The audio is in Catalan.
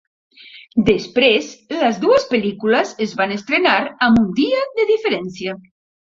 Després, les dues pel·lícules es van estrenar amb un dia de diferència.